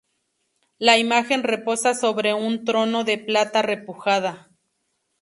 La imagen reposa sobre un Trono de plata repujada.